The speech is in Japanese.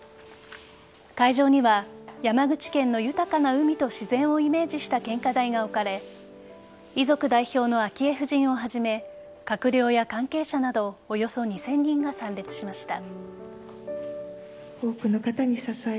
会場には山口県の豊かな海と自然をイメージした献花台が置かれ遺族代表の昭恵夫人をはじめ閣僚や関係者などおよそ２０００人が参列しました。